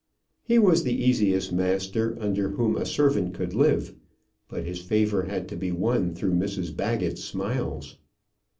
He was the easiest master under whom a servant could live. But his favour had to be won through Mrs Baggett's smiles.